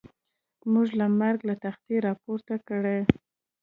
موږ له مرګ له تختې را پورته کړي.